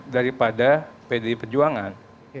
daripada pdp perjuangan